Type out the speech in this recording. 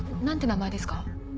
何て名前ですか？